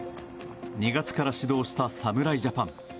２月から始動した侍ジャパン。